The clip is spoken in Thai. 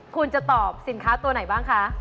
คุณจะตอบสินค้าตัวไหนบ้างคะ